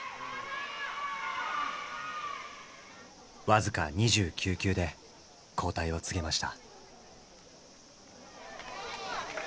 僅か２９球で交代を告げました。